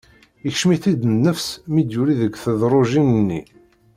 Ikcem-it-id nnefs mi d-yuli deg tedrujin-nni.